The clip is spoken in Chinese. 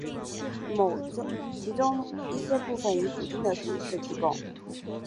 其中一些部分以补丁的形式提供。